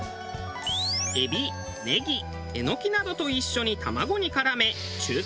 エビネギエノキなどと一緒に卵に絡め中華鍋に投入。